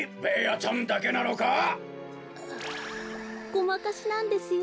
「ごまかし」なんですよ。